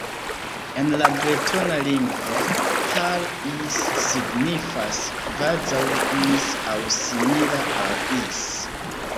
En la bretona lingvo "Par Is" signifas "kvazaŭ Is" aŭ "simila al Is".